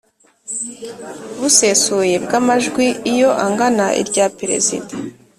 busesuye bw amajwi Iyo angana irya Perezida